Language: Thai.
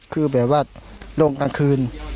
คือแบบว่าลงกลางคืน